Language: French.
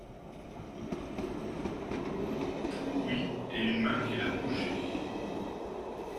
Oui, et une main qui l’a bouché.